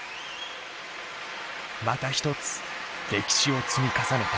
また一つ歴史を積み重ねた。